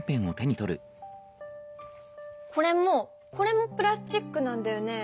これもこれもプラスチックなんだよね？